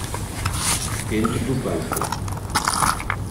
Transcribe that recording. Dentro do banco